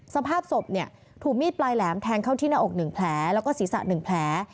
สภาพศพถูกมีดปลายแหลมแทงเข้าที่หน้าอก๑แผลแล้วก็ศีรษะ๑แผล